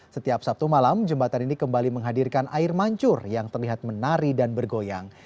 setiap sabtu malam jembatan ini kembali menghadirkan air mancur yang terlihat menari dan bergoyang